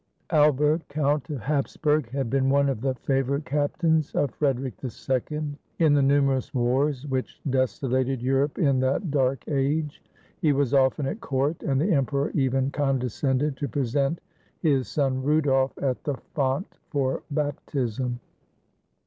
Albert, Count of Hapsburg, had been one of the favorite captains of Frederic II in the numerous wars which desolated Europe in that dark age. He was often at court, and the Emperor even condescended to pre sent his son Rudolf at the font for baptism.